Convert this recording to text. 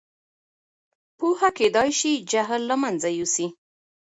پوهه کېدای سي جهل له منځه یوسي.